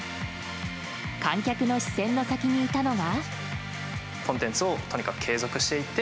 観客の視線の先にいたのが。